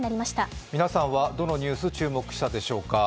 皆さんはどのニュース注目したでしょうか。